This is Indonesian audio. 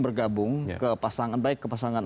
bergabung ke pasangan baik ke pasangan